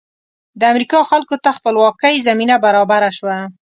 د امریکا خلکو ته خپلواکۍ زمینه برابره شوه.